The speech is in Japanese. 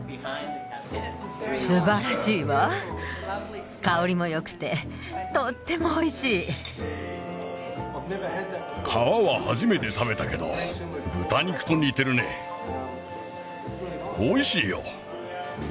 素晴らしいわ香りもよくてとってもおいしい皮は初めて食べたけど豚肉と似てるねおいしいよ